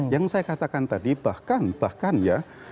yang saya katakan tadi bahkan bahkan ya